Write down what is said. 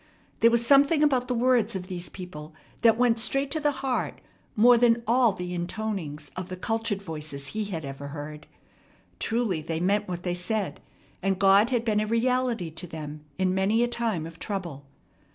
There was something about the words of these people that went straight to the heart more than all the intonings of the cultured voices he had ever heard. Truly they meant what they said, and God had been a reality to them in many a time of trouble.